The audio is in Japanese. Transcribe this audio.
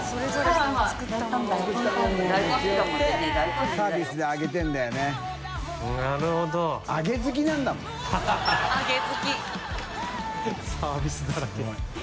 山下）サービスだらけ。